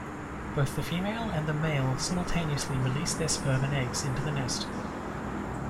Both the female and male simultaneously release their sperm and eggs into the nest.